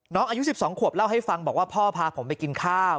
อายุ๑๒ขวบเล่าให้ฟังบอกว่าพ่อพาผมไปกินข้าว